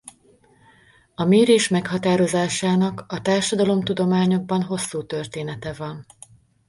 A mérés meghatározásának a társadalomtudományokban hosszú története van.